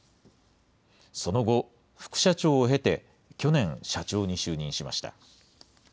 その後、副社長を経て、去年、社長に就任しました。